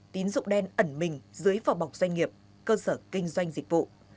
tín dụng đen ẩn mình dưới phò bọc doanh nghiệp cơ sở kinh doanh dịch vụ